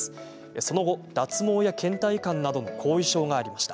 その後、脱毛やけん怠感などの後遺症がありました。